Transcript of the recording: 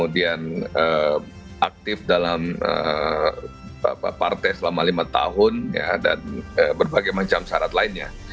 dan berbagai macam syarat lainnya